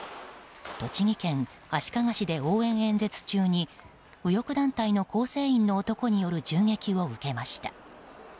栃木県足利市で応援演説中に右翼団体の構成員の男による銃撃を受けました。